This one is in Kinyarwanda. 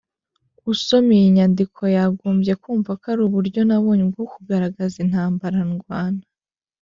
usoma iyi nyandiko yagombye kumva ko ari uburyo nabonye bwo kugaragaza intambara ndwana